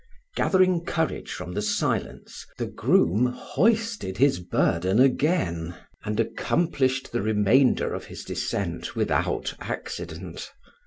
Gathering courage from the silence, the groom hoisted his burden again, and accomplished the remainder of his descent without accident.